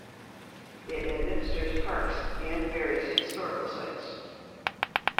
It administers parks and various historical sites.